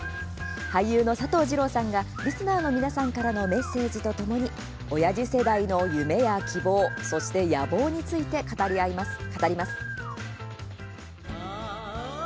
俳優の佐藤二朗さんがリスナーの皆さんからのメッセージとともにおやじ世代の夢や希望そして野望について語ります。